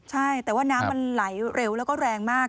ใช่แต่ว่าน้ำมันไหลเร็วแล้วก็แรงมาก